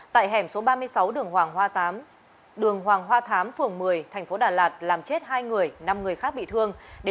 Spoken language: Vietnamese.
tại hẻm số ba mươi sáu đường hoàng hoa thám phường một mươi tp đà lạt làm chết hai người năm người khác bị thương